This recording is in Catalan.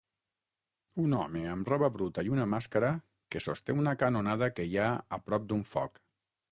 Un home amb roba bruta i una màscara que sosté una canonada que hi ha a prop d'un foc.